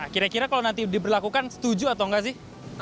kira kira kalau nanti diberlakukan setuju atau nggak sih